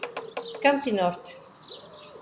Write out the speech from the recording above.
Campinorte